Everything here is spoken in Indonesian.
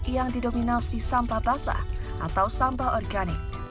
yang didominasi sampah basah atau sampah organik